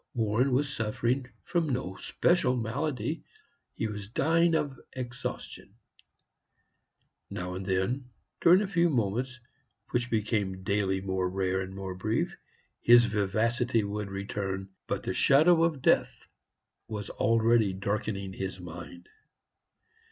Warren was suffering from no special malady; he was dying of exhaustion. Now and then, during a few moments, which became daily more rare and more brief, his vivacity would return; but the shadow of Death was already darkening his mind.